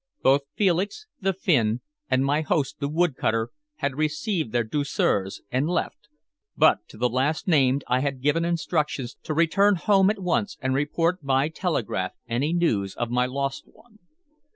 Both Felix, the Finn, and my host, the wood cutter, had received their douceurs and left, but to the last named I had given instructions to return home at once and report by telegraph any news of my lost one.